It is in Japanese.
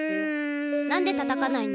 なんでたたかないの？